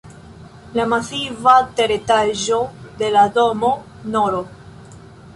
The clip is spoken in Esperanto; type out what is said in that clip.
La masiva teretaĝo de la domo nr.